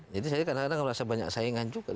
jadi saya kadang kadang merasa banyak saingan juga